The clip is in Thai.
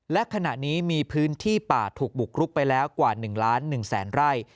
และขณะนี้มีพื้นที่ป่าถูกบุกรุกไปแล้วกว่า๑ล้าน๑แสนไร่